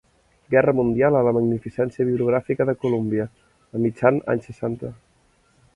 Guerra Mundial a la magnificència bibliogràfica de Columbia, a mitjan anys seixanta.